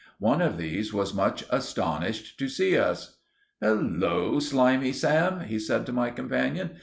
One of these was much astonished to see us. "Hullo, Slimey Sam!" he said to my companion.